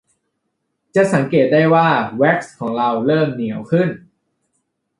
จะสังเกตได้ว่าแว็กซ์ของเราเริ่มเหนียวขึ้น